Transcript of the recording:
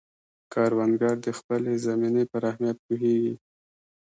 کروندګر د خپلې زمینې پر اهمیت پوهیږي